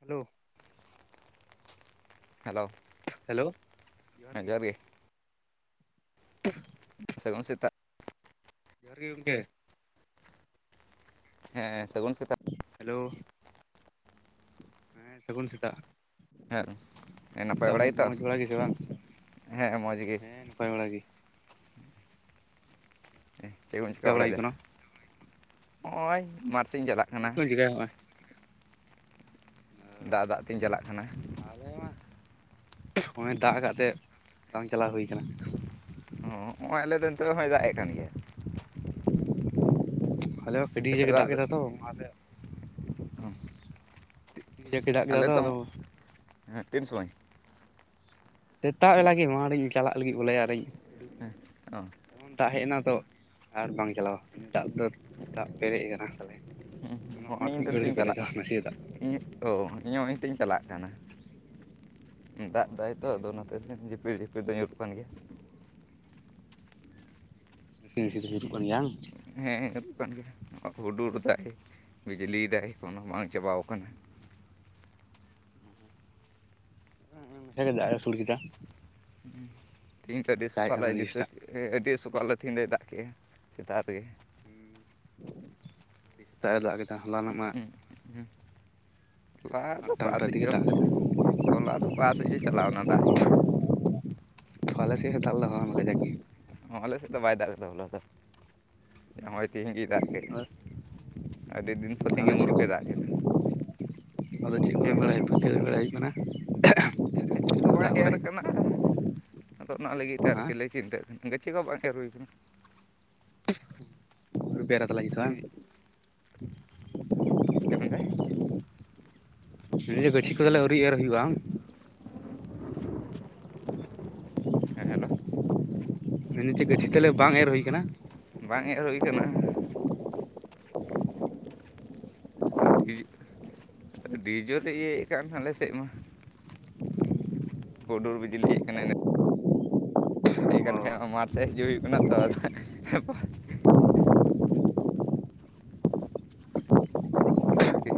Hello, hello, hello, ᱦᱮᱸ ᱡᱚᱦᱟᱨ ᱜᱮ ᱥᱟᱹᱜᱩᱱ ᱥᱮᱛᱟᱜ, ᱡᱚᱦᱟᱨ ᱜᱤ ᱜᱚᱝᱠᱮ, ᱦᱮᱸ ᱦᱮᱸ ᱥᱟᱹᱜᱩᱱ ᱥᱮᱛᱟᱜ ᱦᱮᱞᱳ ᱥᱟᱹᱜᱩᱱ ᱥᱮᱛᱟᱜ, ᱦᱮᱸ ᱱᱟᱯᱟᱭ ᱵᱟᱲᱟᱭ ᱜᱮᱛᱚ ᱢᱚᱸᱡᱽ ᱵᱟᱲᱟ ᱜᱮᱥᱮ ᱦᱮᱸ ᱢᱚᱡᱽ ᱜᱮ, ᱯᱟᱭ ᱵᱟᱲᱟ ᱜᱮ, ᱪᱮᱫ ᱠᱚ ᱵᱮᱱ ᱪᱮᱠᱟ ᱪᱤᱠᱟᱹ ᱵᱟᱲᱟᱭ ᱦᱩᱭᱩᱜ ᱵᱟᱲᱟᱭᱮᱫᱟ ᱠᱟᱱᱟ ᱱᱚᱜᱼᱚᱭ ᱢᱟᱴ ᱥᱮᱫ ᱤᱧ ᱪᱟᱞᱟᱜᱼᱟ ᱪᱮᱫ ᱠᱚᱢ ᱪᱤᱠᱟᱹᱭᱟ ᱱᱚᱜ-ᱚᱭ, ᱫᱟᱜ ᱫᱟᱜ ᱛᱮᱧ ᱪᱟᱞᱟᱜ ᱠᱟᱱᱟ, ᱟᱞᱮ ᱢᱟ ᱱᱚᱜ-ᱚᱭ ᱫᱟᱜ ᱟᱠᱟᱫ ᱛᱮ ᱵᱟᱝ ᱪᱟᱞᱟᱣ ᱦᱩᱭ ᱠᱟᱱᱟ, ᱦᱚᱸᱜᱼᱚᱭ ᱟᱞᱮ ᱫᱚ ᱱᱤᱛᱳᱜ ᱦᱚᱸᱭ ᱫᱟᱜ ᱮ ᱠᱟᱱ ᱜᱮᱭᱟᱭ, ᱟᱞᱮ ᱟᱹᱰᱤ ᱟᱯᱮ ᱥᱮᱫ ᱫᱟᱜ ᱫᱚ? ᱠᱮᱫᱟ ᱛᱚ ᱚᱱᱟᱛᱮ, [inaudible] ᱟᱞᱮ ᱟᱫᱚ ᱛᱚ ᱦᱮᱸ ᱛᱤᱱ ᱥᱚᱢᱚᱭ, ᱥᱮᱛᱟᱜ ᱵᱮᱞᱟ ᱜᱮ ᱢᱟᱴ ᱤᱧ ᱪᱟᱞᱟᱜ ᱞᱟᱹᱜᱤᱫ ᱵᱚᱞᱮ ᱟᱨ ᱨᱤᱧ ᱩᱰᱩᱠ ᱦᱮᱸ ᱮᱱᱟ, ᱚ ᱮᱢᱚᱱ ᱫᱟᱜ ᱦᱮᱡ ᱮᱱᱟ ᱛᱚ ᱟᱨ ᱵᱟᱝ ᱪᱟᱞᱟᱣᱟ, ᱤᱱᱟᱹ ᱫᱟᱜ ᱫᱚ ᱫᱟᱜ ᱯᱮᱨᱮᱡ ᱟᱠᱟᱱᱟ ᱛᱟᱦᱚᱞᱮ ᱚᱱᱟ ᱦᱚᱸᱜᱼᱚᱭ ᱢᱟᱴᱷ ᱤᱧ ᱢᱤᱫ ᱫᱚ ᱜᱷᱟᱹᱲᱤᱡ ᱱᱤᱛᱚᱜ ᱛᱮ ᱤᱧ ᱪᱟᱞᱟᱜ ᱯᱮᱨᱮᱡᱟ ᱱᱟᱥᱮᱭᱟᱜ ᱫᱟᱜ, ᱤᱧ ᱚ ᱤᱧ ᱦᱚᱸ ᱱᱤᱛᱚᱜ ᱤᱧ ᱪᱟᱞᱟᱜ ᱠᱟᱱᱟ, ᱚ ᱫᱟᱜ ᱫᱟᱭᱛᱚ ᱟᱪᱪᱷᱟ ᱟᱫᱚ ᱱᱚᱛᱮ ᱡᱷᱤᱯᱤᱨ ᱡᱷᱤᱯᱤᱨ ᱫᱚ ᱧᱩᱨ ᱠᱟᱱ ᱜᱮᱭᱟ, ᱡᱷᱤᱯᱤᱨ ᱡᱷᱤᱯᱤᱨ ᱧᱩᱨᱩᱜ ᱠᱟᱱ ᱜᱮᱭᱟ ᱵᱟᱝ, ᱦᱮᱸ ᱦᱩᱭᱩᱜ ᱠᱟᱱ ᱜᱮᱭᱟ ᱦᱩᱰᱩᱨ ᱫᱟᱭ ᱵᱤᱡᱽᱞᱤᱭᱮᱫᱟᱭ ᱠᱳᱱᱳ ᱵᱟᱝ ᱪᱟᱵᱟᱣ ᱠᱟᱱᱟ, ᱦᱩᱸ ᱱᱚᱱᱛᱮ ᱫᱚ ᱫᱟᱜ ᱮ ᱟᱥᱳᱲ ᱠᱮᱫᱟ, ᱛᱮᱦᱤᱧ ᱛᱚ ᱟᱹᱰᱤ ᱫᱟᱜ ᱮᱜ ᱥᱚᱠᱟᱞ ᱠᱟᱱᱟ ᱫᱤᱥᱟᱹ ᱥᱮᱛᱟᱜ ᱟᱹᱰᱤ ᱥᱚᱠᱟᱞ ᱞᱮ ᱛᱤᱦᱤᱧ ᱫᱟᱜ ᱫᱟᱜ ᱠᱮᱫᱼᱟ ᱥᱮᱛᱟᱜ ᱨᱮᱜᱮ ᱦᱩᱸ ᱥᱮᱛᱟᱜ ᱨᱮ ᱫᱟᱜ ᱠᱮᱫᱟ ᱦᱚᱞᱟᱱᱚᱜ ᱢᱟ, ᱦᱩᱸ ᱦᱚᱞᱟ ᱫᱚ ᱟᱴᱴᱟ ᱚᱠᱟ ᱱᱚᱴᱟ ᱥᱮᱫ ᱫᱤᱠᱮ ᱪᱚ ᱫᱟᱜ ᱠᱮᱫᱟ ᱦᱚᱞᱟ ᱫᱚ ᱚᱠᱟ ᱥᱮᱫ ᱪᱚ ᱪᱟᱞᱟᱣᱱᱟ ᱫᱟᱜ ᱜᱮ, ᱟᱞᱮ ᱥᱮᱛ ᱦᱚᱸ ᱫᱟᱜ ᱞᱮᱫᱟ ᱦᱚᱞᱟ [inaudible] ᱚ ᱟᱞᱮ ᱥᱮᱫ ᱫᱚ ᱵᱟᱭ ᱫᱟᱜ ᱠᱟᱫᱟ ᱦᱚᱞᱟ ᱫᱚ, ᱦᱚᱸᱜ-ᱭ ᱛᱮᱦᱮᱧ ᱜᱮᱭ ᱫᱟᱜ ᱠᱮᱫ ᱟᱹᱰᱤ ᱫᱤᱱ ᱯᱚᱨᱚᱛᱮ ᱟᱫᱚ ᱪᱮᱫ ᱢᱩᱨᱩ ᱠᱚ ᱠᱮᱫ ᱫᱟᱜ ᱠᱮᱫᱟ, ᱟᱫᱚ ᱪᱮᱫ ᱠᱚᱵᱤᱱ ᱵᱟᱲᱟᱭ ᱯᱩᱛᱷᱤᱱ ᱩᱭᱩᱝ ᱦᱩᱭᱩᱜ ᱠᱟᱱᱟ ᱪᱮᱫ ᱜᱮ ᱵᱟᱝ ᱚᱲᱟᱜ ᱠᱚᱨᱮ ᱮᱨ ᱠᱟᱱᱟ, ᱟᱫᱚ ᱚᱱᱟ ᱞᱟᱹᱜᱤᱫ ᱛᱮ ᱟᱨᱠᱤ ᱞᱮ ᱦᱟᱸ ᱪᱤᱱᱛᱟᱹᱜ ᱠᱟᱱᱟ ᱜᱟᱹᱪᱷᱤ ᱠᱚ ᱵᱟᱝ ᱦᱟᱹᱨ ᱦᱩᱭ ᱠᱟᱱᱟ, ᱵᱮᱨᱚ ᱟᱹᱰᱤ ᱵᱟᱝ ᱪᱮᱫ ᱢᱮᱱᱫᱟ [inaudible] ᱜᱟᱹᱪᱷᱤ ᱠᱚᱫᱚᱞᱮ ᱟᱹᱣᱨᱤ ᱮᱨ ᱦᱩᱭᱩᱜᱼᱟ ᱵᱟᱝ, ᱦᱮᱸ ᱦᱮᱞᱳ, ᱜᱟᱹᱪᱷᱤ ᱛᱟᱦᱞᱮ ᱵᱟᱝ ᱮᱨ ᱦᱩᱭᱩ ᱠᱟᱱᱟ, ᱵᱟᱝ ᱮᱨ ᱦᱩᱭ ᱠᱟᱱᱟ, ᱟᱹᱰᱤ ᱡᱳᱨ ᱤᱭᱟᱹᱭᱮᱫ ᱠᱟᱱ ᱟᱞᱮ ᱥᱮᱫ ᱢᱟ, ᱦᱩᱰᱚᱨ ᱵᱤᱡᱽᱞᱤᱭᱮᱫ ᱠᱟᱱᱟ ᱱᱤᱛᱼᱼ ᱦᱮᱡ ᱚ ᱠᱟᱱ ᱠᱷᱟᱡ ᱢᱟᱴᱷ ᱥᱮᱫ ᱦᱤᱡᱩᱜ ᱦᱩᱭᱩᱜ ᱠᱟᱱᱟ ᱛᱚ [unintelligible] ᱴᱷᱤᱠ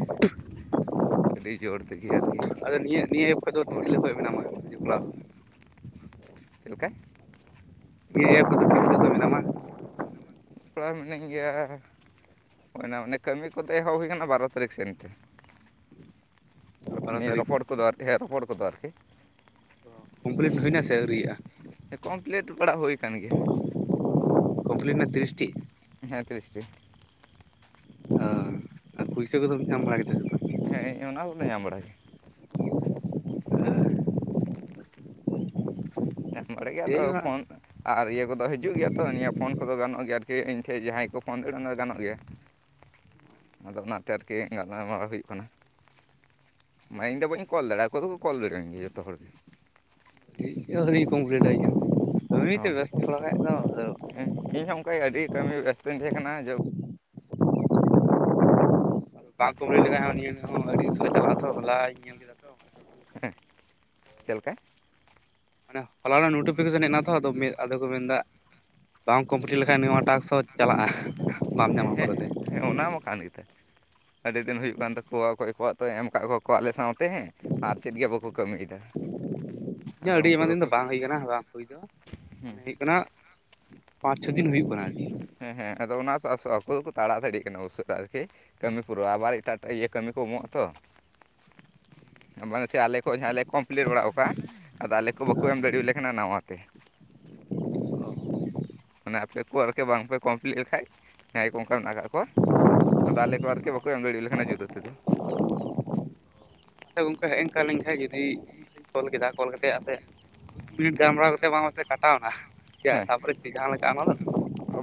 ᱟᱹᱰᱤ ᱡᱳᱨ ᱛᱮᱜᱮ ᱟᱨᱠᱤᱼᱼ ᱟᱫᱚ ᱱᱤᱭᱟᱹ ᱱᱤᱭᱟᱹ ᱮᱯ ᱨᱮᱫᱚ ᱛᱤᱥ ᱠᱷᱚᱡ ᱫᱚ ᱢᱮᱱᱟᱢᱟ ᱾ ᱪᱮᱫ ᱞᱮᱠᱟ ᱾ ᱱᱤᱭᱟᱹ ᱮᱯᱥ ᱠᱚᱨᱮ ᱫᱚ ᱛᱤᱥ ᱠᱷᱚᱱ ᱢᱮᱱᱟᱢᱟ ᱾ ᱯᱨᱟᱭ ᱢᱤᱱᱟᱹᱧ ᱜᱮᱭᱟ ᱦᱩᱭᱱᱟ ᱚᱱᱮ ᱠᱟᱹᱢᱤ ᱠᱚᱫᱚ ᱮᱦᱚᱵ ᱦᱩᱭ ᱟᱠᱟᱱᱟ ᱵᱟᱨᱚ ᱛᱟᱹᱨᱤᱠᱷ ᱥᱮᱱ ᱾ ᱵᱟᱨᱚ ᱱᱤᱭᱟᱹ ᱛᱟᱹᱨᱤᱠᱷ ᱨᱚᱯᱚᱲ ᱠᱚᱫᱚ ᱦᱮᱸ ᱨᱚᱯᱚᱲ ᱠᱚᱫᱚ ᱟᱨᱠᱤ ᱼᱼ ᱠᱚᱢᱯᱞᱤᱴ ᱦᱩᱭᱱᱟ ᱥᱮ ᱟᱹᱣᱨᱤᱭᱟᱜᱼᱟ? ᱠᱚᱢᱯᱞᱤᱴ ᱵᱟᱲᱟ ᱦᱩᱭ ᱟᱠᱟᱱ ᱜᱮᱭᱟ ᱾ ᱠᱚᱢᱯᱞᱤᱴ ᱮᱱᱟ ᱛᱤᱨᱤᱥᱴᱤ ᱾ ᱦᱮᱸ ᱛᱤᱨᱤᱥᱴᱤ ᱾ ᱚᱸ ᱟᱨ ᱯᱩᱭᱥᱟᱹ ᱠᱚᱫᱚᱢ ᱧᱟᱢ ᱵᱟᱲᱟ ᱠᱮᱫᱟ? ᱵᱟᱝ ᱦᱮᱸ ᱚᱱᱟ ᱠᱚᱫᱚ ᱧᱟᱢ ᱵᱟᱲᱟ ᱜᱮᱭᱟ ᱾ [unintelligible] ᱧᱟᱢ ᱵᱟᱲᱟ ᱜᱮ ᱮᱭ ᱟᱫᱚ ᱯᱷᱳᱱᱼᱼ ᱟᱨ ᱤᱭᱟᱹ ᱠᱚᱫᱚ ᱦᱤᱡᱩᱜ ᱜᱮᱭᱟ ᱛᱚ, ᱱᱤᱭᱟᱹ ᱯᱷᱳᱱ ᱠᱚᱫᱚ ᱜᱟᱱᱚᱜ ᱜᱮᱭᱟ ᱟᱨᱠᱤ ᱤᱧ ᱴᱷᱮᱱ ᱡᱟᱦᱟᱸᱭ ᱠᱚ ᱯᱷᱳᱱ ᱫᱟᱲᱮᱭᱟᱜᱼᱟ ᱚᱱᱟ ᱫᱚ ᱜᱟᱱᱚᱜ ᱜᱮᱭᱟ ᱾ ᱟᱫᱚ ᱚᱱᱟᱛᱮ ᱟᱨᱠᱤ ᱜᱟᱞᱢᱟᱨᱟᱣ ᱦᱩᱭᱩᱜ ᱠᱟᱱᱟ ᱾ ᱢᱟᱭ ᱤᱧᱫᱚ ᱵᱟᱹᱧ ᱠᱚᱞ ᱫᱟᱲᱮᱼᱟ, ᱟᱠᱚ ᱫᱚ ᱠᱚᱞ ᱫᱟᱲᱮᱭᱮᱱ ᱜᱮᱭᱟ ᱡᱷᱚᱛᱚ ᱦᱚᱲ ᱜᱮ ᱾ ᱤᱧ ᱦᱚᱸ ᱟᱹᱭᱨᱤᱧ ᱠᱚᱢᱯᱥᱞᱥᱴᱟ ᱮᱢᱱᱤ ᱚ ᱛᱮ ᱵᱮᱥᱛᱚ ᱛᱷᱚᱲᱟ ᱠᱟᱡ ᱫᱚᱼᱼ ᱦᱮᱸ ᱤᱧ ᱦᱚᱸ ᱚᱱᱠᱟ ᱜᱮ ᱟᱹᱰᱤ ᱠᱟᱹᱢᱤ ᱨᱮ ᱵᱮᱥᱛᱧ ᱛᱟᱦᱮᱸ ᱠᱟᱱᱟ ᱡᱚ ᱚᱠᱟ ᱵᱟᱝᱠᱚ ᱛᱟᱦᱮᱸᱫ ᱢᱮᱱ ᱞᱮᱠᱷᱟᱡ ᱦᱚᱸ ᱱᱤᱭᱟᱹ ᱟᱹᱰᱤ ᱩᱥᱟᱹᱨᱟ ᱛᱚ ᱦᱚᱞᱟᱧ ᱧᱮᱞ ᱠᱮᱫᱟ ᱛᱚ ᱾ ᱦᱮᱸ ᱪᱮᱫ ᱞᱮᱠᱟ, ᱢᱟᱱᱮ ᱦᱚᱞᱟ ᱨᱮᱱᱟᱜ ᱱᱳᱴᱤᱯᱷᱤᱠᱮᱥᱚᱱ ᱦᱮᱡᱱᱟ ᱛᱚ, ᱟ ᱟᱫᱚ ᱠᱚ ᱢᱮᱱ ᱮᱫᱟ ᱵᱟᱝ ᱠᱚᱢᱯᱞᱤᱞᱤᱴ ᱞᱮᱠᱷᱟᱱᱡ ᱱᱚᱣᱟ ᱴᱟᱥ ᱦᱚᱸᱼᱼ ᱪᱟᱞᱟᱜᱼᱟ, ᱵᱟᱢ ᱦᱮᱸ ᱧᱟᱢᱟ ᱦᱮᱸ ᱯᱚᱨᱮᱛᱮ ᱾ ᱦᱮᱸ ᱚᱱᱟ ᱢᱟ ᱠᱟᱱ ᱜᱮᱛᱟᱭ ᱟᱹᱰᱤ ᱫᱤᱱ ᱦᱩᱭᱩᱜ ᱠᱟᱱ ᱛᱟᱠᱚᱣᱟ ᱚᱠᱚᱭ ᱠᱚᱣᱟᱜ ᱫᱚ ᱮᱢ ᱟᱠᱟᱫ ᱠᱚᱣᱟ ᱠᱚ ᱟᱞᱮ ᱥᱟᱶᱛᱮ ᱦᱮᱸ ᱾ ᱟᱨ ᱪᱮᱫ ᱜᱮ ᱵᱟᱠᱚ ᱠᱟᱹᱢᱤᱭᱮᱫᱟ ᱾ ᱤᱧ ᱦᱚᱸ ᱟᱹᱰᱤ ᱟᱭᱢᱟ ᱫᱤᱱ ᱫᱚ ᱵᱟᱝ ᱦᱩᱭ ᱠᱟᱱᱟ ᱵᱟᱝ ᱦᱩᱭ ᱫᱚ, ᱢᱟᱱᱮ ᱦᱩᱭᱩᱜ ᱠᱟᱱᱟᱼᱼ ᱯᱟᱸᱪ ᱪᱷᱚ ᱫᱤᱱ ᱦᱩᱭᱩᱜ ᱠᱟᱱᱟ ᱟᱨᱠᱤ ᱾ ᱦᱮᱸ ᱦᱮᱸ ᱟᱫᱚ ᱚᱱᱟ ᱟᱠᱚ ᱫᱚᱠᱚ ᱛᱟᱲᱟ ᱫᱟᱲᱤᱭᱟᱜ ᱠᱟᱱᱟ ᱩᱥᱟᱹᱨᱟ ᱟᱨᱠᱤ ᱾ ᱠᱟᱹᱢᱤ ᱯᱩᱨᱟᱹ ᱟᱵᱟᱨ ᱮᱴᱟᱜᱟᱜ ᱤᱭᱟᱹ ᱠᱟᱹᱢᱤ ᱠᱚ ᱮᱢᱚᱜᱼᱟ ᱛᱚ ᱾ ᱵᱟᱝ ᱥᱮ ᱟᱞᱮ ᱠᱷᱚᱡ ᱡᱟᱦᱟᱸ ᱞᱮ ᱠᱚᱢᱯᱤᱞᱤᱴ ᱵᱟᱲᱟᱜᱼᱟ ᱚᱠᱟᱼᱼ ᱟᱫᱚ ᱟᱞᱮ ᱠᱚ ᱵᱟᱠᱚ ᱮᱢ ᱫᱟᱲᱮᱣᱟᱞᱮ ᱠᱟᱱᱟ ᱱᱟᱣᱟ ᱛᱮ ᱾ ᱢᱟᱱᱮ ᱟᱯᱮ ᱠᱚ ᱟᱨᱠᱤ ᱵᱟᱝ ᱯᱮ ᱠᱚᱢᱯᱞᱤᱴ ᱞᱮᱠᱷᱟᱡ ᱡᱟᱦᱟᱸᱭ ᱠᱚ ᱚᱱᱠᱟ ᱞᱟᱜᱟᱜ ᱟᱠᱚ ᱾ ᱟᱫᱚ ᱟᱞᱮ ᱠᱚ ᱟᱨᱠᱤ ᱵᱟᱠᱚ ᱮᱢ ᱫᱟᱲᱮᱭᱟᱞᱮ ᱠᱟᱱᱟ ᱡᱩᱫᱟᱹ ᱛᱮᱫᱚ ᱾ [inaudible] ᱟᱪᱪᱷᱟ ᱜᱚᱢᱠᱮ ᱦᱮᱡ ᱦᱮ ᱠᱷᱟᱱ ᱡᱩᱫᱤ ᱤᱧ ᱠᱚᱞ ᱠᱮᱫᱟ ᱠᱚᱞ ᱠᱟ ᱠᱟᱛᱮ ᱟ ᱥᱮᱫᱼᱼ ᱫᱩᱥ ᱢᱤᱱᱤᱴ ᱜᱟᱞᱢᱟᱨᱟᱣ ᱠᱟᱛᱮᱫ ᱵᱟᱝ ᱢᱟᱥᱮ ᱠᱟᱴᱟᱣ ᱮᱱᱟ ᱦᱮᱸ ᱛᱟᱨᱯᱚᱨᱮ ᱪᱮᱫ ᱡᱟᱦᱟᱸ ᱞᱮᱠᱟ ᱚᱱᱟ ᱫᱚ ᱾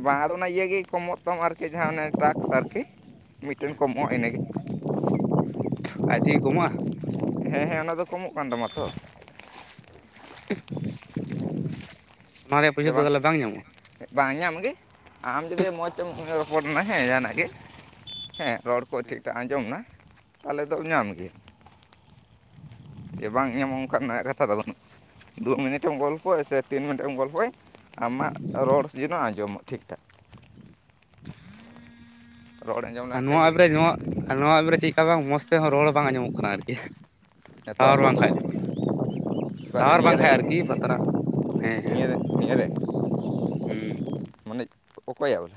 ᱵᱟᱝ ᱟᱫᱚ ᱚᱱᱟ ᱤᱭᱟᱹ ᱜᱮ ᱠᱚᱢᱚᱜ ᱛᱟᱢ ᱟᱨᱠᱤ ᱡᱟᱦᱟᱸᱮ ᱴᱨᱟᱠᱥ ᱟᱨᱠᱤ ᱢᱤᱫᱴᱮᱱ ᱠᱚᱢᱚᱜᱼᱟ ᱤᱱᱟᱹᱜᱮ ᱾ ᱟᱡᱤ ᱠᱚᱢᱟᱼᱼ ᱦᱮᱸ ᱦᱮᱸ ᱚᱱᱟ ᱫᱚ ᱠᱚᱢᱚᱜ ᱠᱟᱱ ᱛᱟᱢᱟ ᱛᱚ ᱾ ᱚᱱᱟ ᱨᱮᱭᱟᱜ ᱯᱚᱭᱥᱟ ᱫᱚ ᱛᱟᱦᱚᱞᱮ ᱵᱟᱝ ᱧᱟᱢᱚᱜᱼᱟ? ᱵᱟᱝ ᱧᱟᱢᱜᱮ ᱟᱢ ᱡᱩᱫᱤ ᱢᱚᱡᱽ ᱛᱮᱢ ᱵᱮᱱᱟᱣᱼᱼ ᱨᱚᱯᱚᱲ ᱮᱱᱟ ᱦᱮᱸ ᱡᱟᱦᱟᱱᱟᱜ ᱜᱮ ᱦᱮᱸ ᱨᱚᱲ ᱠᱚ ᱦᱮᱸ ᱴᱷᱤᱠᱴᱷᱟᱠ ᱟᱸᱡᱚᱢ ᱮᱱᱟ ᱛᱟᱦᱚᱞᱮ ᱫᱚᱢ ᱧᱟᱢ ᱦᱮᱸ ᱜᱮᱭᱟ ᱾ ᱡᱮ ᱵᱟᱝ ᱮᱢ ᱚᱱᱠᱟ ᱨᱮᱱᱟᱜ ᱠᱟᱛᱷᱟ ᱫᱚ ᱵᱟᱹᱱᱩᱜᱼᱟ ᱫᱩ ᱢᱤᱱᱤᱴᱮᱢ ᱜᱚᱞᱯᱚᱼᱟ ᱥᱮ ᱛᱤᱱ ᱢᱤᱱᱤᱴᱮᱢ ᱜᱚᱞᱯᱚᱭᱼᱼ ᱟᱢᱟᱜ ᱨᱚᱲ ᱡᱮᱱᱚ ᱟᱸᱡᱚᱢᱚᱜ ᱴᱷᱤᱠ ᱴᱷᱟᱠ ᱨᱚᱲ ᱟᱸᱡᱚᱢ ᱟᱨ ᱞᱮᱱᱠᱟᱱ ᱱᱚᱣᱟ ᱜᱮ ᱮᱯ ᱨᱮ ᱦᱩᱭᱩᱜᱼᱟ᱾ ᱱᱚᱣᱟ ᱟᱨ ᱱᱚᱣᱟ ᱮᱵ ᱨᱮ ᱪᱮᱫᱠᱟ ᱵᱟᱝ ᱢᱚᱡᱽ ᱛᱮᱦᱚᱸ ᱨᱚᱲ ᱵᱟᱝ ᱟᱸᱡᱚᱢᱚᱜ ᱠᱟᱱᱟ ᱟᱨᱠᱤ ᱱᱤᱛᱚᱜ ᱴᱟᱨ ᱵᱟᱝᱠᱷᱟᱡ ᱮᱵᱟᱨ ᱴᱟᱣᱟᱨ ᱱᱤᱭᱟᱹᱨᱮ ᱵᱟᱝᱠᱷᱟᱡ ᱟᱨᱠᱤ ᱵᱟᱛᱨᱚ ᱦᱮᱸ ᱦᱮᱸ ᱱᱤᱭᱟᱹ ᱨᱮ ᱦᱩᱸ ᱢᱟᱱᱮ ᱚᱠᱚᱭᱟᱜ ᱵᱚᱞᱮ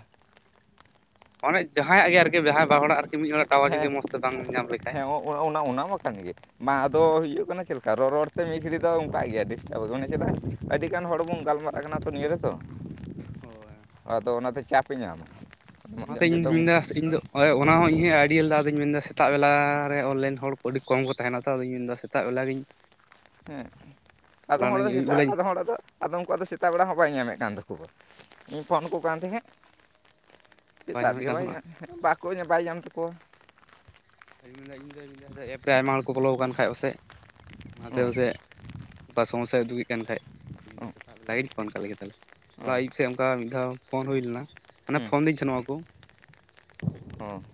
ᱚᱱᱮ ᱡᱟᱦᱟᱸᱭᱟᱜ ᱜᱮ ᱟᱨᱠᱤ ᱡᱟᱦᱟᱸᱭ ᱵᱟ ᱦᱚᱲᱟᱜ ᱟᱨᱠᱤ ᱢᱤᱫ ᱦᱚᱲᱟᱜ ᱴᱟᱣᱟᱨ ᱡᱩᱫᱤ ᱦᱮᱸ ᱢᱚᱡᱽ ᱛᱮ ᱵᱟᱝ ᱧᱟᱢ ᱞᱮᱠᱷᱟᱡ ᱦᱮᱸ ᱚ- ᱚᱱᱟ ᱚᱱᱟ ᱢᱟ ᱠᱟᱱ ᱜᱮ ᱵᱟᱝ ᱟᱫᱚ ᱦᱩᱭᱩᱜ ᱠᱟᱱᱟ ᱪᱮᱫ ᱞᱮᱠᱟ ᱨᱚ ᱨᱚᱲ ᱛᱮ ᱢᱤᱫ ᱜᱷᱟᱹᱲᱤᱡ ᱫᱚ ᱚᱱᱠᱟᱜ ᱜᱮᱭᱟ ᱰᱤᱥᱴᱟᱵ ᱫᱚ ᱪᱮᱫᱟᱜ ᱟᱹᱰᱤ ᱜᱟᱱ ᱦᱚᱲ ᱵᱚᱱ ᱜᱟᱞᱢᱟᱨᱟᱜ ᱠᱟᱱᱟ ᱛᱚ ᱱᱤᱭᱟᱹ ᱨᱮᱛᱚ᱾ ᱟᱫᱚ ᱚᱱᱟᱛᱮ ᱪᱟᱯᱮ ᱧᱟᱢᱟ [unintelligible] ᱦᱳᱭ ᱚᱱᱟ ᱦᱚᱸ ᱤᱧᱦᱚᱸ ᱟ ᱟᱭᱰᱤᱭᱟᱮᱞ ᱞᱮᱫᱟ ᱟᱫᱚᱧ ᱢᱮᱱᱮᱫᱟ ᱥᱮᱛᱟᱜ ᱵᱮᱞᱟᱨᱮ ᱚᱱ ᱞᱤᱱ ᱦᱚᱲ ᱠᱚ ᱟᱹᱰᱤ ᱠᱚᱢ ᱠᱚ ᱛᱟᱦᱮᱱᱟ ᱛᱚ ᱟᱫᱚᱧ ᱢᱮᱱᱮᱫᱟ ᱥᱮᱛᱟᱜ ᱵᱮᱞᱟᱜᱮᱧ [inaudible] ᱦᱮᱸ ᱟᱫᱚᱢ ᱦᱚᱲ ᱫᱚ ᱥᱮᱛᱟᱜ ᱟᱫᱚᱢ ᱦᱚᱲᱟᱜ ᱫᱚ ᱟᱫᱚ ᱩᱱᱠᱩᱣᱟᱜ ᱫᱚ ᱥᱮᱛᱟᱜ ᱵᱮᱲᱟ ᱦᱚᱸ ᱵᱟᱭ ᱧᱟᱢᱮᱫ ᱠᱟᱱ ᱛᱟᱠᱚᱣᱟ ᱤᱧ ᱯᱷᱳᱱ ᱟᱠᱠᱚ ᱠᱟᱱ ᱛᱟᱦᱮᱸᱫ ᱞᱮᱛᱟᱜ ᱧᱟᱢᱮᱫ ᱜᱮ ᱠᱟᱱ ᱵᱟᱭ ᱛᱟᱦᱮᱱᱟ ᱧᱟᱢ ᱵᱟᱠᱚ ᱵᱟᱭ ᱧᱟᱢ ᱛᱟᱠᱚᱣᱟ᱾ ᱟᱫᱚᱧ ᱢᱮᱱᱫᱟ ᱤᱧᱫᱚᱧ ᱢᱮᱱᱫᱟ ᱮᱯ ᱨᱮ ᱟᱭᱢᱟ ᱦᱚᱲ ᱠᱚ ᱯᱷᱚᱞᱚᱣ ᱟᱠᱟᱱ ᱠᱷᱟᱡ ᱯᱟᱥᱮᱡ ᱚᱱᱟᱛᱮ ᱦᱮᱸ ᱯᱟᱥᱮᱡ ᱚᱱᱠᱟ ᱥᱚᱢᱳᱥᱟᱭ ᱩᱫᱩᱜᱮᱫ ᱠᱟᱱ ᱠᱷᱟᱡ ᱤᱧ ᱫᱚ ᱥᱮᱛᱟᱜ ᱵᱮᱞᱟ ᱜᱤᱧ ᱯᱷᱳᱱ ᱠᱟᱫ ᱞᱮᱜᱮ ᱛᱟᱦᱚᱞᱮ ᱦᱮᱸ ᱦᱚᱞᱟ ᱟᱹᱭᱩᱵ ᱥᱮᱫ ᱚᱱᱠᱟ ᱢᱤᱫ ᱫᱷᱟᱣ ᱯᱷᱳᱱ ᱦᱩᱭ ᱞᱮᱱᱟ ᱢᱟᱱᱮ ᱯᱷᱳᱱᱫᱤᱧ ᱛᱟᱦᱮᱱᱚᱜᱼᱟᱠᱚ ᱦᱮᱸ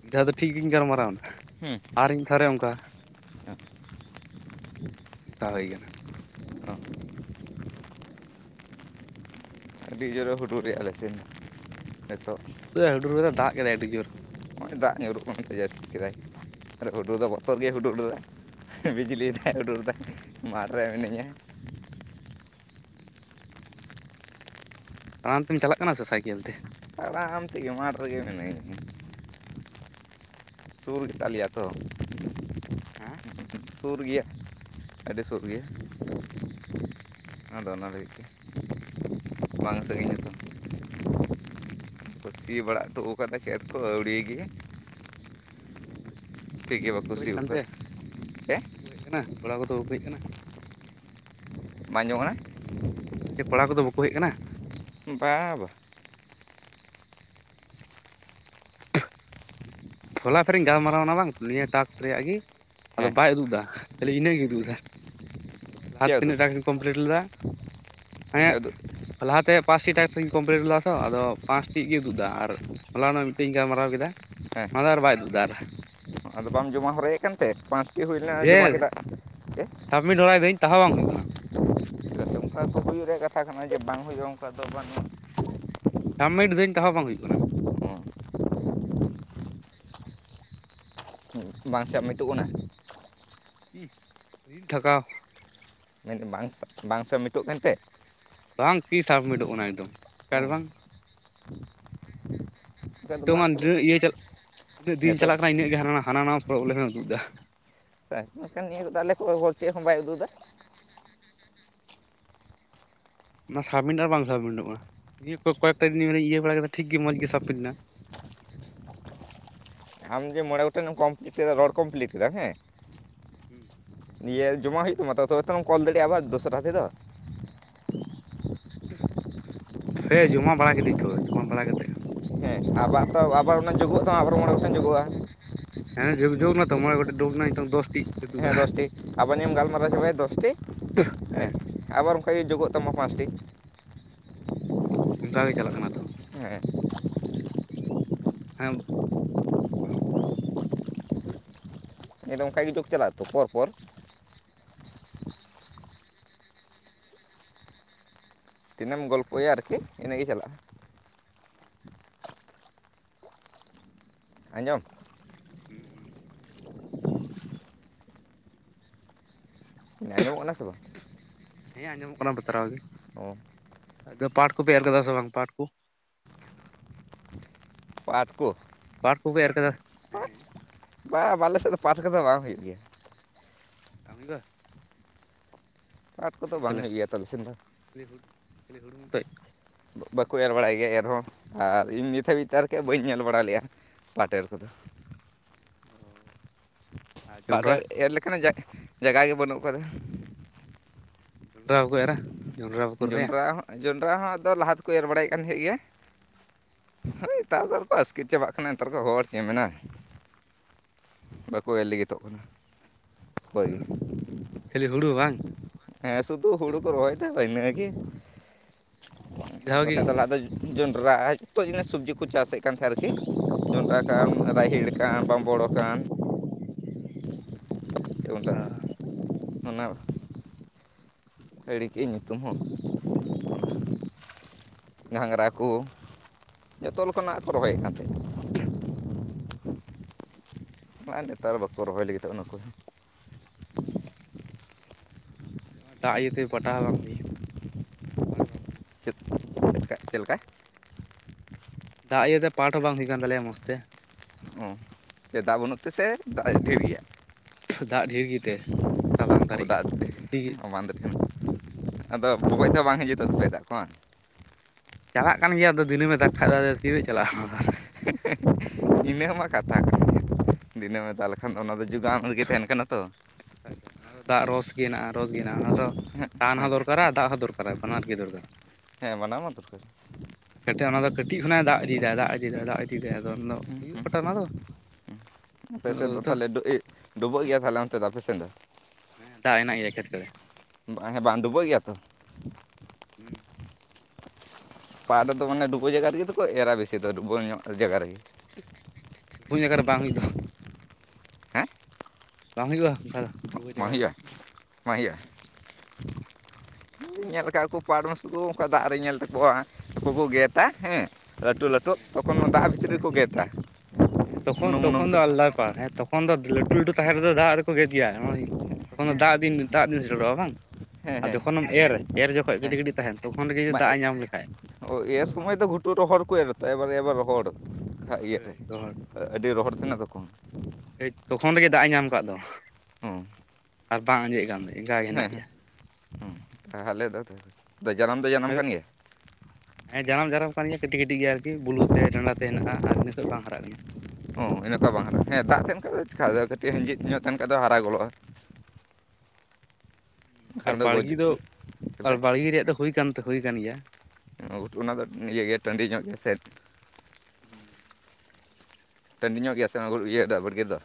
ᱢᱤᱫ ᱫᱷᱟᱣ ᱫᱚ ᱴᱷᱤᱠ ᱜᱤᱧ ᱜᱟᱞᱢᱟᱨᱟᱣᱱᱟ ᱦᱮᱸ ᱟᱨ ᱤᱧ ᱫᱷᱟᱣ ᱨᱮ ᱚᱱᱠᱟ [unintelligible] ᱚᱱᱠᱟ ᱦᱩᱭ ᱠᱟᱱᱟ᱾ ᱦᱮᱸ ᱟᱹᱰᱤ ᱡᱳᱨᱮ ᱦᱩᱰᱩᱨ ᱨᱮᱭᱟᱜ ᱟᱞᱮ ᱥᱮᱱ ᱱᱤᱛᱚᱜ ᱩᱱᱟᱹᱜ ᱦᱟᱹᱰᱩᱨ ᱠᱟᱫᱟ ᱫᱟᱜ ᱠᱮᱫᱟᱭ ᱟᱹᱰᱤ ᱡᱳᱨ ᱱᱚᱜᱼᱚᱭ ᱫᱟᱜ ᱧᱩᱨᱩᱜ ᱦᱚᱸ ᱡᱟᱹᱥᱛᱤ ᱠᱮᱫᱟᱭ ᱟᱨ ᱦᱩᱰᱩᱨ ᱫᱚ ᱵᱚᱛᱚᱨ ᱜᱮᱭ ᱦᱩᱰᱩᱨ ᱮᱫᱟ᱾ ᱵᱤᱡᱽᱞᱤ ᱫᱟᱭ ᱩᱰᱩᱨ ᱫᱟᱭ ᱢᱟᱴᱷ ᱨᱮ ᱢᱤᱱᱟᱹᱧᱟ᱾ ᱛᱟᱲᱟᱢ ᱛᱮᱢ ᱪᱟᱞᱟᱜ ᱠᱟᱱᱟ ᱥᱮ ᱥᱟᱭᱠᱮᱞ ᱛᱮ? ᱛᱟᱲᱟᱢ ᱛᱮᱜᱮ ᱢᱟᱴ ᱨᱮᱜᱮ ᱢᱤᱱᱟᱹᱧ ᱦᱚᱸ ᱥᱩᱨ ᱜᱮᱛᱟ ᱞᱮᱭᱟ ᱛᱚ ᱦᱮᱸ ᱥᱩᱨ ᱜᱮᱭᱟ᱾ ᱟᱹᱰᱤ ᱥᱩᱨ ᱜᱮᱭᱟ ᱟᱫᱚ ᱚᱱᱟ ᱞᱟᱹᱜᱤᱫ ᱛᱮ ᱵᱟᱝ ᱥᱟᱺᱜᱤᱧ ᱟᱛᱚ ᱠᱚ ᱥᱤ ᱵᱟᱲᱟ ᱦᱚᱴᱚ ᱠᱟᱫᱟ ᱠᱷᱮᱛ ᱠᱚ ᱟᱹᱣᱲᱤ ᱜᱮ ᱴᱷᱤᱠ ᱜᱮ ᱵᱟᱠᱚ ᱦᱮᱡ ᱥᱤ ᱟᱠᱟᱱ ᱛᱮ ᱟᱠᱟᱫᱟ ᱮ ᱱᱟᱦ ᱠᱚᱲᱟ ᱠᱚᱫᱚ ᱵᱟᱠᱚ ᱦᱮᱡ ᱟᱠᱟᱱᱟ᱾ ᱵᱟᱝ ᱡᱚᱢ ᱠᱟᱱᱟ᱾ ᱢᱮᱱᱫᱟᱮ ᱠᱚᱲᱟ ᱠᱚᱫᱚ ᱵᱟᱠᱚ ᱦᱮᱡ ᱟᱠᱟᱱᱟ᱾ ᱵᱟ ᱵᱟ ᱦᱚᱞᱟ ᱯᱷᱮᱨᱤᱧ ᱜᱟᱞᱢᱟᱨᱟᱣ ᱮᱱᱟ ᱵᱟᱝ ᱱᱤᱭᱟᱹ ᱴᱟᱠᱥ ᱨᱮᱭᱟᱜ ᱜᱮ ᱟᱫᱚ ᱦᱮᱸ ᱵᱟᱭ ᱩᱫᱩᱜ ᱮᱫᱟ ᱠᱷᱟᱹᱞᱤ ᱤᱱᱟᱹᱜᱮ ᱩᱫᱩᱜ ᱮᱫᱟ᱾ ᱟᱨ ᱪᱮᱫ ᱩᱛᱩ ᱛᱤᱱᱟᱹᱜ ᱫᱚ ᱴᱟᱥᱠᱥᱤᱧ ᱠᱚᱢᱯᱞᱤᱴ ᱞᱮᱫᱟ᱾ ᱪᱮᱫ ᱦᱮᱸ ᱟᱫᱚ ᱞᱟᱦᱟᱛᱮ ᱯᱟᱸᱪᱴᱤ ᱴᱟᱥᱠ ᱤᱧ ᱠᱚᱢᱯᱤᱞᱤᱴ ᱞᱮᱫᱟ ᱛᱚ ᱟᱫᱚ ᱯᱟᱸᱪᱴᱤ ᱜᱮ ᱩᱫᱩᱜ ᱮᱫᱟ ᱟᱨ ᱦᱚᱞᱟ ᱱᱚᱜ ᱢᱤᱫᱴᱮᱡ ᱤᱧ ᱜᱟᱞᱢᱟᱨᱟᱣ ᱠᱮᱫᱟ ᱦᱮᱸ ᱚᱱᱟ ᱫᱚ ᱟᱨ ᱵᱟᱭ ᱩᱫᱩᱜ ᱮᱫᱟ ᱟᱨ ᱟᱫᱚ ᱵᱟᱢ ᱡᱚᱢᱟ ᱦᱚᱨᱟᱭᱮᱫ ᱠᱟᱱᱛᱮ ᱯᱟᱸᱪᱴᱤ ᱦᱩᱭᱱᱟ ᱡᱚᱢᱟ ᱠᱮᱫᱟ᱾ ᱡᱮ ᱮ ᱥᱟᱵᱢᱤᱴ ᱦᱚᱨᱟᱭᱮᱫᱟᱹᱧ ᱛᱟᱦᱟᱣ ᱵᱟᱝ ᱦᱩᱭᱩᱜ ᱠᱟᱱᱟ? ᱪᱤᱠᱟᱹᱛᱮ ᱚᱱᱠᱟ ᱫᱚ ᱦᱩᱭᱩᱜ ᱨᱮᱭᱟᱜ ᱠᱟᱛᱷᱟ ᱠᱟᱱᱟ ᱡᱮ ᱵᱟᱝ ᱦᱩᱭᱩᱜᱼᱟ ᱚᱱᱠᱟ ᱫᱚ ᱵᱟᱝᱩᱜᱼᱟ ᱾ ᱥᱟᱵᱢᱤᱴ ᱫᱟᱹᱧ ᱛᱟᱣ ᱦᱚᱸ ᱵᱟᱝ ᱦᱩᱭᱩᱜ ᱠᱟᱱᱟ ᱾ ᱵᱟᱝ ᱥᱟᱵᱢᱤᱴᱚᱜ ᱠᱟᱱᱟ ᱾ ᱩᱸᱜ ᱨᱤᱞ ᱴᱷᱟᱠᱟᱣ ᱢᱮᱱᱫᱟ ᱵᱟᱝ ᱥᱟᱜ ᱵᱟᱝ ᱥᱟᱵᱢᱤᱴᱚᱜ ᱠᱟᱱᱛᱮ? ᱵᱟᱝ ᱠᱤ ᱥᱟᱵᱢᱤᱴᱚᱜ ᱠᱟᱱᱟ ᱮᱠᱫᱚᱢ, ᱠᱟᱨ ᱵᱟᱝ ᱚᱱᱠᱟ ᱾ ᱫᱚ ᱱᱤᱛᱚᱝ ᱵᱟᱝ ᱦᱟ ᱥᱟᱵᱢᱤᱴ ᱰᱨᱟᱹ ᱤᱭᱟᱹ ᱪᱟᱞᱟᱜ ᱛᱤᱱᱟᱹᱜ ᱫᱤᱱ ᱱᱤᱛᱚᱜ ᱪᱟᱞᱟᱜ ᱠᱟᱱᱟ ᱤᱱᱟᱹᱜ ᱜᱮ ᱦᱟᱱᱟᱱᱟ ᱦᱟᱱᱟ ᱱᱟᱣᱟ ᱯᱨᱚᱵᱽᱞᱮᱢᱮᱢ ᱮ ᱩᱫᱩᱜ ᱫᱟ ᱾ ᱠᱟᱭ ᱢᱮᱱᱠᱷᱟᱱ ᱱᱤᱭᱟᱹ ᱠᱚᱫᱚ ᱟᱞᱮ ᱠᱚᱣᱟᱜ ᱦᱚᱲ ᱪᱮᱜ ᱦᱚᱸ ᱵᱟᱭ ᱩᱫᱩᱜ ᱮᱫᱟ ᱾ ᱚᱱᱟ ᱥᱟᱵᱢᱤᱱᱴ ᱟᱨ ᱵᱟᱝ ᱥᱟᱵᱢᱤᱱᱴᱚᱜᱼᱟ ᱱᱤᱭᱟᱹ ᱠᱚ ᱠᱚᱭᱮᱠᱴᱟ ᱫᱤᱱ ᱦᱚᱞᱤᱧ ᱤᱭᱟᱹ ᱵᱟᱲᱟ ᱠᱮᱫᱟ ᱴᱷᱤᱠ ᱜᱤ ᱢᱚᱸᱡᱽ ᱜᱮ ᱥᱟᱵᱯᱤᱴ ᱱᱟ ᱾ ᱟᱢ ᱡᱮ ᱢᱚᱬᱮ ᱜᱚᱴᱮᱝ ᱮᱢ ᱠᱚᱢᱯᱞᱤᱴ ᱠᱮᱫᱟ ᱨᱚᱲ ᱠᱚᱢᱯᱞᱤᱴ ᱠᱮᱫᱟ ᱦᱮᱸ ᱾ ᱦᱮᱸ ᱾ ᱱᱤᱭᱟᱹ ᱡᱚᱢᱟ ᱦᱩᱭᱩᱜ ᱛᱟᱢᱟ ᱛᱚ ᱛᱚᱵᱮ ᱛᱚᱢ ᱠᱚᱞ ᱫᱟᱲᱮᱜ ᱟᱵᱟᱨ ᱫᱚᱥᱨᱟ ᱛᱮᱫᱚ ᱾ ᱦᱮᱸ ᱡᱚᱢᱟ ᱵᱟᱲᱟ ᱠᱤᱫᱤᱧ ᱛᱚ ᱡᱚᱢᱟ ᱵᱟᱲᱟ ᱠᱟᱛᱮ ᱦᱮᱸ ᱟᱵᱟᱨ ᱛᱚ ᱟᱵᱟᱨ ᱡᱳᱜᱚᱜ ᱛᱟᱢᱟ ᱟᱵᱟᱨ ᱢᱚᱬᱮ ᱜᱚᱴᱟᱝ ᱡᱩᱜᱚᱜᱼᱟ ᱾ ᱦᱮᱸ ᱡᱩᱽ ᱱᱟᱛᱚ ᱢᱚᱬᱮ ᱜᱚᱴᱮᱡ ᱰᱩᱵ ᱱᱟᱜ ᱱᱤᱛᱚᱝ ᱫᱚᱥ ᱴᱤᱜ ᱾ ᱦᱮᱸ ᱫᱚᱥᱴᱤ, ᱟᱵᱟᱨ ᱱᱤᱭᱟᱹᱢ ᱜᱟᱞᱢᱟᱨᱟᱣ ᱪᱟᱵᱟᱭᱟ ᱫᱚᱥᱴᱤ, ᱦᱮᱸ ᱾ ᱟᱵᱟᱨ ᱚᱝᱠᱟᱜᱮ ᱡᱳᱜᱚᱜ ᱛᱟᱢᱟ ᱯᱟᱸᱥᱴᱤ ᱾ ᱚᱝᱠᱟ ᱜᱮ ᱪᱟᱞᱟᱜ ᱠᱟᱱᱟ ᱛᱚ ᱾ ᱦᱮᱸ ᱾ ᱦᱮᱸᱵ ᱾ ᱱᱤᱭᱟᱹ ᱫᱚ ᱚᱝᱠᱟ ᱜᱮ ᱡᱳᱠᱽ ᱪᱟᱞᱟᱜᱼᱟ ᱛᱚ ᱯᱚᱨᱯᱚᱨ ᱾ ᱛᱤᱱᱟᱹᱜ ᱮᱢ ᱜᱚᱞᱯᱚᱭᱟ ᱟᱨᱠᱤ ᱤᱱᱟᱹᱜᱮ ᱪᱟᱞᱟᱜᱼᱟ ᱾ ᱟᱸᱡᱚᱢ! ᱦᱩᱸ, ᱦᱩᱸ, ᱦᱩᱸ ᱾ ᱟᱸᱡᱚᱢᱚᱜ ᱠᱟᱱᱟ ᱥᱮ ᱵᱟ? ᱦᱮᱸ ᱟᱸᱡᱚᱢᱚᱜ ᱠᱟᱱᱟ ᱵᱟᱛᱨᱟᱣ ᱜᱮ ᱾ ᱚ ᱾ ᱟᱫᱚ ᱯᱟᱴ ᱠᱚᱯᱮ ᱮᱨ ᱠᱟᱫᱟ ᱥᱮ ᱵᱟᱝ ᱯᱟᱴ ᱠᱚ? ᱯᱟᱴ ᱠᱚ? ᱯᱟᱴᱷ ᱠᱚᱯᱮ ᱮᱨ ᱠᱟᱫᱟ ᱥᱮ? ᱯᱟᱴ ᱵᱟ ᱵᱟᱞᱮ ᱥᱮᱫ ᱫᱚ ᱯᱟᱴᱷ ᱠᱚᱫᱚ ᱵᱟᱝ ᱦᱩᱭᱩᱜ ᱜᱮᱭᱟ ᱾ ᱵᱟᱝ ᱦᱩᱭᱩᱜᱼᱟ ᱾ ᱯᱟᱴᱷ ᱠᱚᱫᱚ ᱵᱟᱝ ᱦᱩᱭᱩᱜ ᱜᱮᱭᱟ ᱟᱞᱮ ᱥᱮᱱ ᱫᱚ ᱾ ᱠᱷᱟᱞᱤ ᱦᱩᱲ ᱠᱷᱟᱞᱤ ᱦᱩᱲᱩ ᱛᱮᱜ ᱾ ᱵᱟ-ᱵᱟᱠᱚ ᱮᱨ ᱵᱟᱲᱟᱭ ᱜᱮᱭᱟ ᱮᱨᱦᱚᱸ ᱟᱨ ᱤᱧ ᱱᱤᱛ ᱦᱟᱹᱵᱤᱡ ᱟᱨᱠᱤ ᱵᱟᱹᱧ ᱧᱮᱞ ᱵᱟᱲᱟ ᱞᱮᱜᱼᱟ ᱯᱟᱴᱷ‌ ᱮᱨ ᱠᱚᱫᱚ ᱾ ᱚ ᱟᱨ ᱵᱟᱴᱷ ᱡᱚᱱᱰᱨᱟ ᱮ-ᱮᱨ ᱞᱮᱠᱟᱱᱟᱜ ᱡᱟᱜ ᱡᱟᱭᱜᱟ ᱜᱮ ᱵᱟᱹᱱᱩᱜ ᱠᱟᱫᱟ ᱾ ᱡᱚᱸᱱᱰᱨᱟ ᱦᱚᱠᱚ ᱮᱨᱟ? ᱡᱚᱱᱰᱨᱟ ᱵᱟᱠᱚ ᱨᱚᱦᱚᱭᱟ ᱡᱚᱸᱱᱰᱨᱟ ᱦᱚᱸ ᱡᱚᱸᱱᱰᱨᱟ ᱦᱚᱸ ᱟᱫᱚ ᱞᱟᱦᱟ ᱛᱮᱠᱚ ᱮᱨ ᱵᱟᱲᱟᱭᱮᱜ ᱠᱟᱱ ᱛᱟᱦᱮᱸᱫ ᱜᱮᱭᱟ ᱾ ᱦᱳᱭ ᱛᱟᱨ ᱯᱚᱨᱮ ᱠᱚ ᱟᱥᱠᱮᱛ ᱪᱟᱵᱟᱜ ᱠᱟᱱᱟ ᱱᱮᱛᱟᱨ ᱠᱚ ᱦᱚᱲ ᱪᱮᱫ ᱢᱮᱱᱟ ᱾ ᱵᱟᱠᱚ ᱮᱨ ᱞᱟᱹᱜᱤᱛᱚᱜ ᱠᱟᱱᱟ ᱾ ᱦᱳᱭ, ᱠᱷᱟᱹᱞᱤ ᱦᱩᱲᱩ ᱵᱟᱝ ᱦᱮᱸ ᱥᱩᱫᱷᱩ ᱦᱩᱲᱩ ᱠᱚ ᱨᱚᱦᱚᱭᱫᱟ ᱛᱚ ᱤᱱᱟᱸ ᱜᱮ, ᱢᱤᱫ ᱫᱷᱟᱣ ᱜᱮ ᱵᱟᱠᱷᱟᱡ ᱫᱚ ᱞᱟ ᱫᱚ ᱡᱚᱸᱱᱰᱨᱟᱭ ᱛᱚᱜ ᱡᱤᱱᱤᱥ ᱥᱚᱵᱽᱡᱤ ᱠᱚ ᱪᱟᱥᱮᱜ ᱠᱟᱱ ᱛᱟᱦᱮᱸ ᱟᱨᱠᱤ, ᱡᱚᱸᱱᱰᱨᱟ ᱠᱟᱱ ᱨᱟᱦᱮᱤᱲ ᱠᱟᱱ ᱵᱟᱢᱵᱚᱲ ᱠᱟᱱ ᱪᱮᱫ ᱢᱮᱛᱟᱜ ᱚᱱᱟ ᱚᱱᱟ ᱦᱤᱲᱤᱧ ᱠᱮᱜ ᱟᱹᱧ ᱧᱩᱛᱩᱢ ᱦᱚᱸ ᱚᱱᱟ ᱜᱷᱟᱸᱝᱜᱽᱨᱟ ᱠᱚ ᱡᱚᱛᱚ ᱞᱮᱠᱟᱱᱟᱜ ᱠᱚ ᱨᱚᱦᱚᱭᱮᱫ ᱠᱟᱱ ᱛᱟᱦᱮᱸᱫ ᱾ ᱢᱟ ᱱᱮᱛᱟᱨ ᱵᱟᱠᱚ ᱨᱚᱦᱚᱭ ᱞᱟᱹᱜᱤᱫᱚᱜ ᱚᱱᱟ ᱠᱚ ᱾ ᱫᱟᱜ ᱤᱭᱟᱹᱛᱮ ᱯᱟᱴᱟ ᱦᱚᱸ ᱵᱟᱝ ᱦᱩᱭᱩᱜᱼᱟ ᱯᱟᱴᱷ ᱵᱟᱝ ᱦᱩᱭᱩᱜᱼᱟ ᱾ ᱪᱮᱫ ᱪᱮᱫ ᱪᱮᱫ ᱞᱮᱠᱟ? ᱫᱟᱜ ᱤᱭᱟᱹᱛᱮ ᱯᱟᱴᱷ ᱦᱚᱸ ᱵᱟᱝ ᱦᱩᱭᱩᱜ ᱠᱟᱱ ᱛᱟᱞᱮᱭᱟ ᱢᱚᱸᱡᱽ ᱛᱮ ᱾ ᱚᱸ ᱪᱮ ᱫᱟᱜ ᱵᱟᱹᱱᱩᱜ ᱛᱮᱥᱮ ᱫᱟᱜ ᱮ ᱰᱷᱮᱨ ᱜᱮᱭᱟ? ᱫᱟᱜ ᱰᱷᱮᱨ ᱜᱮᱛᱮ ᱵᱟᱝ ᱚᱸ ᱫᱟᱨᱮᱜ ᱠᱟᱱᱟ ᱫᱟᱜ [unintelligible] ᱡᱟᱹᱥᱛᱤ ᱜᱮ ᱨᱮ ᱟᱫᱚ ᱵᱚᱜᱚᱡ ᱫᱚ ᱵᱟᱝ ᱦᱤᱡᱩᱜᱼᱟ ᱛᱚ ᱫᱟᱜ ᱠᱚᱢᱟ ᱾ ᱪᱟᱞᱟᱜ ᱠᱟᱱ ᱜᱮᱭᱟ ᱟᱫᱚ ᱫᱤᱱᱟᱹᱢ ᱮ ᱫᱟᱜ ᱠᱷᱟᱡ ᱫᱚ ᱟᱫᱚ ᱛᱤᱨᱮ ᱪᱟᱞᱟᱜᱼᱟ ᱾ ᱤᱱᱟᱹ ᱢᱟ ᱠᱟᱛᱷᱟ ᱠᱟᱱ ᱜᱮᱭᱟ ᱾ ᱫᱤᱱᱟᱹᱢ ᱮ ᱫᱟᱜ ᱞᱮᱠᱷᱟᱱ ᱫᱚ ᱚᱱᱟ ᱫᱚ ᱡᱩᱜᱟᱣ ᱨᱮᱜᱮ ᱛᱟᱦᱮᱱ ᱠᱟᱱᱟ ᱛᱚ ᱾ ᱚᱱᱟ ᱫᱚ ᱫᱟᱜ ᱨᱚᱥ ᱜᱮ ᱦᱮᱱᱟᱜᱼᱟ ᱨᱚᱥ ᱜᱮ ᱦᱮᱱᱟᱜᱼᱟ ᱾ ᱚᱱᱟ ᱫᱚ ᱦᱮᱸ ᱴᱟᱱ ᱦᱮᱸ ᱦᱚᱸ ᱫᱚᱨᱠᱟᱨᱟ ᱫᱟᱜ ᱦᱚᱸ ᱫᱚᱨᱠ ᱟᱨᱟ ᱵᱟᱱᱟᱨ ᱜᱤ ᱫᱚᱨᱠᱟᱨᱟ ᱾ ᱦᱮᱸ ᱵᱟᱱᱟᱨ ᱢᱟ ᱫᱚᱨᱠᱟᱨ ᱾ ᱠᱟᱹᱴᱤᱡ ᱚᱱᱟ ᱫᱚ ᱠᱟᱹᱴᱤᱡ ᱠᱷᱚᱱᱟᱜ ᱮ ᱫᱟᱜ ᱤᱫᱤ ᱮᱫᱟ ᱫᱟᱜ ᱤᱫᱤ ᱮᱫᱟ ᱫᱟᱜ ᱤᱫᱤ ᱮᱫᱟᱭ ᱟᱫᱚ ᱚᱱᱟ ᱫᱚ ᱦᱮᱸ ᱦᱩᱭᱩᱜ [unintelligible] ᱚᱱᱟ ᱫᱚ ᱟᱯᱮ ᱥᱮᱫ ᱫᱚ ᱛᱟᱦᱚᱞᱮ ᱰᱩᱵᱩᱜᱚᱜ ᱜᱮᱭᱟ ᱛᱟᱦᱚᱞᱮ ᱚᱱᱛᱮ ᱫᱚ ᱟᱯᱮ ᱥᱮᱫ ᱫᱚ? ᱫᱟᱜ ᱦᱮᱱᱟᱜ ᱜᱮᱭᱟ ᱠᱷᱮᱛ ᱠᱚᱨᱮ ᱾ ᱵᱟᱝᱟ ᱵᱟᱝ ᱰᱩᱵᱟᱹᱜ ᱜᱮᱭᱟ ᱛᱚ? ᱦᱮᱸ ᱾ ᱯᱟᱴᱷ ᱨᱮᱫᱚ ᱢᱟᱱᱮ ᱰᱩᱵᱟᱹᱣ ᱡᱟᱭᱜᱟ ᱨᱮᱜᱮ ᱫᱚᱠᱚ ᱮᱨᱟ ᱵᱮᱥᱤ ᱫᱚ ᱰᱩᱵᱟᱹᱣ ᱧᱚᱜ ᱡᱟᱭᱜᱟ ᱨᱮᱜᱮ ᱾ ᱦᱩᱭ ᱡᱟᱭᱜᱟ ᱨᱮ ᱵᱟᱝ ᱦᱩᱭᱩᱜ ᱫᱚ ᱾ ᱦᱮᱸ ᱵᱟᱝ ᱦᱩᱭᱩᱜᱼᱟ? ᱰᱩᱵᱟᱹ ᱵᱟᱝ ᱡᱟᱭᱜᱟ ᱨᱮ ᱦᱩᱭᱩᱜᱼᱟ ᱵᱟᱝ ᱦᱩᱭᱩᱜᱼᱟ ᱾ ᱧᱮᱞ ᱟᱠᱟᱜ ᱠᱚ ᱯᱟᱴᱷ ᱠᱚ ᱚᱱᱠᱟ ᱫᱟᱜ ᱨᱮᱧ ᱧᱮᱞ ᱛᱟᱠᱚᱣᱟ ᱩᱱᱠᱩ ᱠᱚ ᱜᱮᱫᱟ, ᱦᱮᱸ ᱾ ᱞᱟᱹᱴᱩ ᱞᱟᱹᱴᱩ ᱦᱮᱸ ᱛᱚᱠᱷᱚᱱ ᱢᱟ ᱫᱟᱜ ᱵᱷᱤᱛᱨᱤ ᱨᱮᱠᱚ ᱜᱮᱫᱟ ᱾ ᱦᱮᱸ ᱛᱚᱠᱷᱚᱱ ᱛᱚᱠᱷᱱ ᱫᱚ ᱟᱞᱟᱫᱟ ᱵᱮᱯᱟᱨ ᱦᱮᱸ ᱛᱚᱠ ᱛᱚᱠᱷᱚᱱ ᱫᱚ ᱞᱟᱹᱴᱩ ᱞᱟᱹᱴᱩ ᱛᱟᱦᱮᱸ ᱨᱮᱫᱚ ᱫᱟᱜ ᱨᱮᱠᱚ ᱜᱮᱫ ᱜᱮᱭᱟ ᱾ ᱛᱚᱠᱷᱚᱱ ᱫᱚ ᱫᱟᱜ ᱫᱤᱱ ᱫᱟᱜ ᱫᱤᱱ ᱥᱮᱴᱮᱨᱚᱜᱼᱟ ᱵᱟᱝ ᱦᱮᱸ ᱾ ᱟᱨ ᱦᱮᱸ ᱡᱚᱠᱷᱚᱱᱮᱢ ᱮᱨ ᱮᱨ ᱡᱚᱠᱷᱚᱱ ᱦᱮᱸ ᱠᱟᱴᱤᱡ ᱠᱟᱴᱤᱡ ᱛᱟᱦᱮᱱ ᱛᱚᱠᱷᱚᱱ ᱨᱮᱜᱮ ᱡᱩᱫᱤ ᱫᱟᱜ ᱮ ᱧᱟᱢ ᱞᱮᱠᱷᱟᱡ ᱚᱸ ᱮᱨ ᱦᱩᱭᱩᱜᱼᱟ ᱵᱟᱝ ᱥᱚᱢᱚᱭ ᱫᱚ ᱜᱷᱩᱴᱩ ᱨᱚᱦᱚᱲ ᱠᱚ ᱮᱨᱟᱱᱛᱚ ᱮᱵᱟᱨ ᱮᱵᱟᱨ ᱨᱚᱦᱚᱲ ᱠᱷᱟᱡ ᱤᱭᱟᱹᱛᱮ ᱟᱹᱰᱤ ᱨᱚᱦᱚᱲ ᱛᱟᱦᱮᱱᱟ ᱛᱟᱠᱚ ᱾ ᱛᱚᱠᱷᱚᱱ ᱨᱮᱜᱮ ᱫᱟᱜ ᱮ ᱧᱟᱢ ᱟᱠᱟᱫ ᱫᱚ ᱦᱮᱸ ᱟᱨ ᱵᱟᱝ ᱟᱸᱡᱮᱫ ᱠᱟᱱ ᱫᱚ ᱤᱱᱠᱟᱹ ᱜᱮ ᱦᱮᱱᱟᱜ ᱦᱮᱸ ᱜᱮᱭᱟ ᱾ ᱛᱟᱦᱚᱞᱮ ᱫᱚ ᱡᱟᱱᱟᱢ ᱫᱚ ᱡᱟᱱᱟᱢ ᱟᱭᱢᱟ ᱟᱠᱟᱱ ᱜᱮᱭᱟ? ᱦᱮᱸ ᱡᱟᱱᱟᱢ ᱡᱟᱱᱟᱢ ᱠᱟᱱ ᱜᱮᱭᱟ ᱠᱟᱹᱴᱤᱡ ᱠᱟᱹᱴᱤᱡ ᱜᱮ ᱟᱨᱠᱤ ᱵᱩᱞᱩ ᱛᱮ ᱰᱟᱸᱨᱟ ᱛᱮ ᱦᱮᱱᱟᱜ ᱟᱨ ᱤᱱᱟᱹ ᱠᱷᱚᱡ ᱵᱟᱝ ᱦᱟᱨᱟᱜ ᱠᱟᱱᱟ ᱾ [unintelligible] ᱫᱚ ᱦᱟᱨᱟ ᱜᱚᱫᱚᱜᱼᱟ ᱾ ᱵᱟᱠᱷᱟᱱ ᱟᱨ ᱜᱚᱡᱚᱜᱼᱟ ᱵᱟᱲᱜᱮ ᱫᱚ ᱟᱨ ᱪᱮᱫ ᱵᱟᱲᱜᱮ ᱨᱮᱭᱟᱜ ᱫᱚ ᱦᱩᱭ ᱠᱟᱱ ᱛᱮ ᱦᱩᱭ ᱠᱟᱱ ᱜᱮᱭᱟ ᱾ ᱚ ᱚᱱᱟᱫᱚ ᱤᱭᱟᱹ ᱜᱮ ᱴᱟᱺᱰᱤ ᱧᱚᱜ ᱜᱮᱥᱮᱫ ᱾ [inaudible] ᱴᱟᱺᱰᱤᱧᱚᱜ ᱜᱮᱭᱟ ᱥᱮ ᱚᱱᱟ ᱤᱭᱟᱹ ᱵᱟᱹᱲᱜᱮᱫ ᱫᱚ ᱾